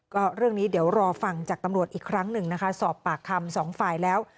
ก็เรื่องนี้เดี๋ยวรอฟังจากตำรวจอีกครั้งหนึ่งนะคะสอบปากคำสองฝ่ายแล้ว